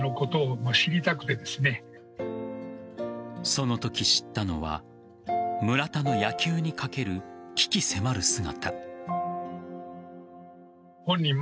そのとき知ったのは村田の野球にかける鬼気迫る姿。